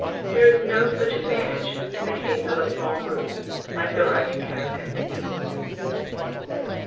There is no such advantage in the case of a small group like the Reich Cabinet.